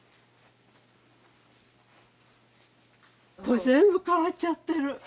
これ全部変わっちゃってる色が。